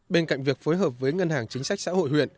bên cạnh việc phối hợp với ngân hàng chính sách xã hội huyện